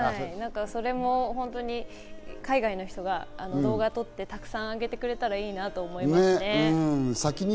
それも本当に海外の人が動画を撮って、たくさんあげてくれたらいいなと思いますね。